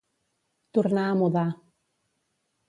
Tornar a mudar.